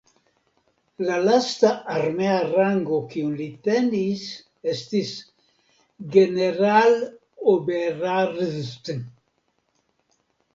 La lasta armea rango kiun li tenis estis "Generaloberarzt".